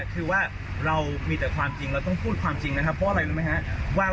คือว่าเรามีแต่ความจริงเราต้องพูดความจริงนะครับเพราะอะไรรู้ไหมครับ